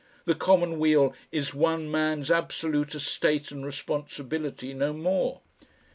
The commonweal is one man's absolute estate and responsibility no more.